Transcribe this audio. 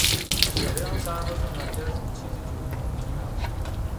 چهرهی آن سربازان حاکی از چیزی جز نومیدی نبود.